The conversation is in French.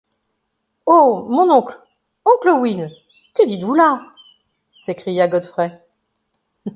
Oh! mon oncle ! oncle Will ! que dites-vous là? s’écria Godfrey.